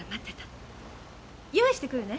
用意してくるね。